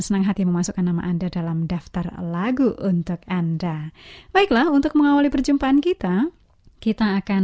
hanya dia satu satunya allah sungguh baik